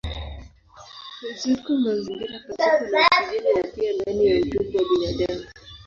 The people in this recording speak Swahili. Ziko mazingira pasipo na oksijeni na pia ndani ya utumbo wa binadamu.